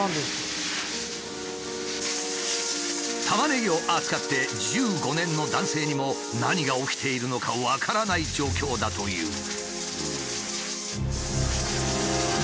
タマネギを扱って１５年の男性にも何が起きているのか分からない状況だという。